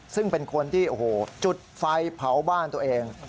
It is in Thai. ซึ่งเป็นคนที่โอ้โหจุดไฟเผาบ้านตัวเอง